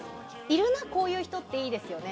いるなこういう人っていいです。